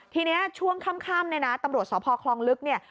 ทีนี้ช่วงค่ำเนี่ยนะตำรวจสพคลองลึกเนี่ย